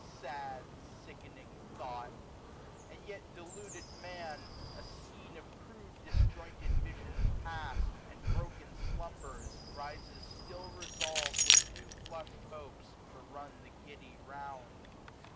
Sad, sickening thought ! and yet deluded Man, A scene of crude disjointed visions past. And broken slumbers, rises still resolv'd, 215 With new flush'd hopes, to run the giddy round.